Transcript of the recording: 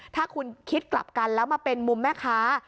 ถ้าคุณคิดกลับกันแล้วมาเป็นมุมแม่ค้า